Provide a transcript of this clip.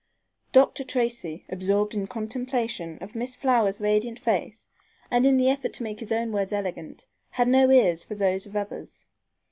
Dr. Tracy, absorbed in contemplation of Miss Flower's radiant face, and in the effort to make his own words eloquent, had no ears for those of others.